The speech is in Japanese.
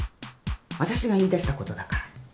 私が言いだしたことだから。